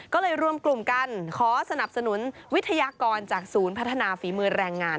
ก็เลยรวมกลุ่มกันขอสนับสนุนวิทยากรจากศูนย์พัฒนาฝีมือแรงงาน